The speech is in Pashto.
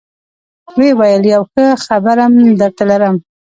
ويې ويل يو ښه خبرم درته لرم.